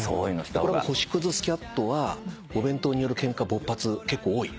星屑スキャットはお弁当によるケンカ勃発結構多い？